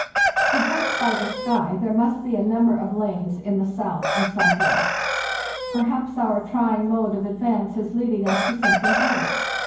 "To judge by the sky, there must be a number of lanes in the south and southwest. Perhaps our trying mode of advance is leading us to something better.